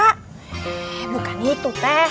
eh bukan itu teh